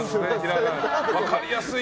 分かりやすい！